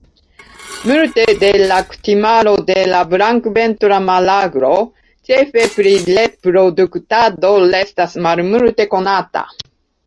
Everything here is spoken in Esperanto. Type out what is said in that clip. Multe de la kutimaro de la Blankventra maraglo, ĉefe pri reproduktado, restas malmulte konata.